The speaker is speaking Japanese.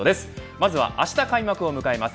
まずはあした開幕を迎えます